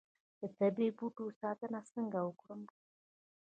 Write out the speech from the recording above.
د طبیعي بوټو ساتنه څنګه وکړم؟